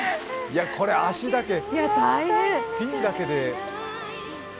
これ、足だけ、フィンだけで。